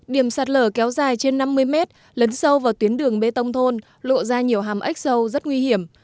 điểm sạt lở kéo dài trên năm mươi mét lấn sâu vào tuyến đường bê tông thôn lộ ra nhiều hàm ếch sâu rất nguy hiểm